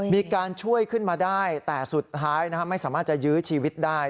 มีการช่วยขึ้นมาได้แต่สุดท้ายไม่สามารถจะยื้อชีวิตได้